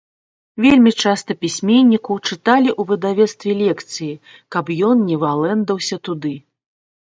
Вельмі часта пісьменніку чыталі ў выдавецтве лекцыі, каб ён не валэндаўся туды.